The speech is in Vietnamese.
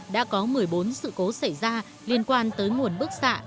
đã có một mươi bốn sự cố xảy ra liên quan tới nguồn bức xạ